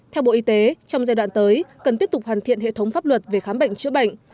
theo bộ y tế trong giai đoạn tới cần tiếp tục hoàn thiện hệ thống pháp luật về khám bệnh chữa bệnh